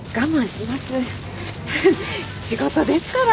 フフ仕事ですから。